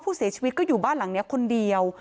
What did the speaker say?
ผู้เสียชีวิตก็อยู่บ้านหลังนี้คนเดียว